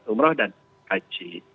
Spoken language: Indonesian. untuk berumrah dan haji